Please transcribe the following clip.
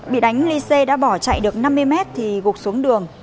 bị đánh ly xe đã bỏ chạy được năm mươi mét thì gục xuống đường